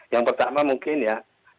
yang pertama mungkin ya